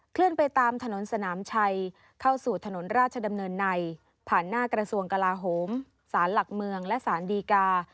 เลื่อนไปตามถนนสนามชัยเข้าสู่ถนนราชดำเนินในผ่านหน้ากระทรวงกลาโหมศาลหลักเมืองและสารดีกา